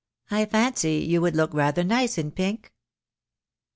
I fancy you would look rather nice in pink?"